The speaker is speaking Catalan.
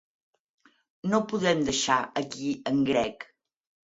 No podem deixar aquí en Greg.